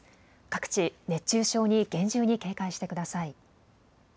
各地、熱中症に厳重に警戒してください。